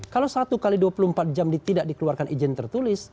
kalau satu x dua puluh empat jam tidak dikeluarkan izin tertulis